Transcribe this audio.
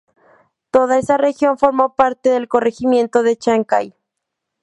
Toda esa región formó parte del Corregimiento de Chancay.